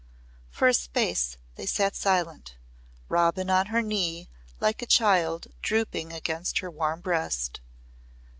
For a space they sat silent Robin on her knee like a child drooping against her warm breast.